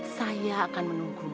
saya akan menunggumu